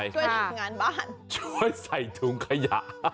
ช่วยทำงานบ้านช่วยใส่ถุงขยะ